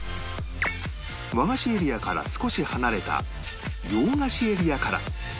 和菓子エリアから少し離れた洋菓子エリアから